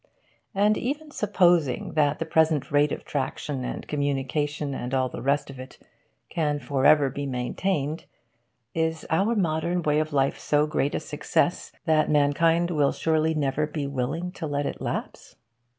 And, even supposing that the present rate of traction and communication and all the rest of it can forever be maintained, is our modern way of life so great a success that mankind will surely never be willing to let it lapse?